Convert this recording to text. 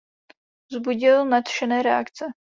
Vzbudil nadšené reakce.